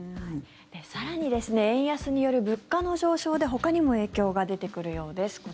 更に円安による物価の上昇でほかにも影響が出てくるようです。